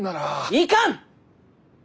いかん！